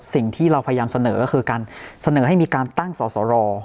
สิ่งที่เราพยายามเสนอก็คือการเสนอให้มีการตั้งสอสร